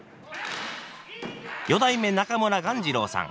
四代目中村鴈治郎さん。